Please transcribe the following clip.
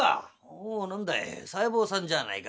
「おお何だい細胞さんじゃあないか。